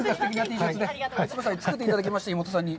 すいません、作っていただきまして、妹さんに。